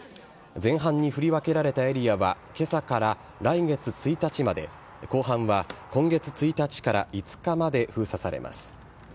前半に振り分けられたエリアは、けさから来月１日まで、後半は今月１日から５日まで封鎖されます。